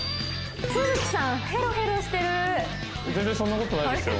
都築さんヘロヘロしてる全然そんなことないですよ